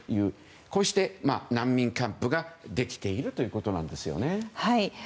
こうして難民キャンプができているということです。